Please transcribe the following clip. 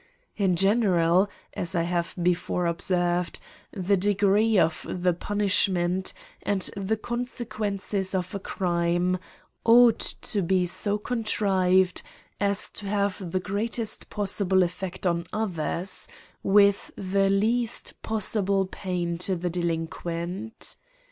In general, as I have be fore observed, The degree of the punishments, and the consequences of a crime ^ ought to he so contri ved as to have the greatest possible effect on others^ with the least possible pain to the delinquent.